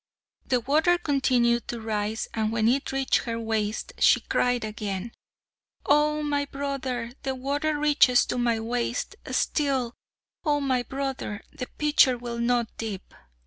The water continued to rise, and when it reached her waist, she cried again: "Oh! my brother, the water reaches to my waist, Still, Oh! my brother, the pitcher will not dip."